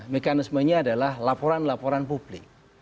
mekanismenya adalah laporan laporan publik